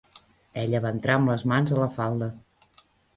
Ella va entrar amb les mans a la falda